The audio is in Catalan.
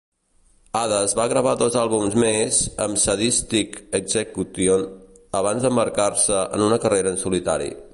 Hades va gravar dos àlbums més amb Sadistik Exekution abans d'embarcar-se en una carrera en solitari.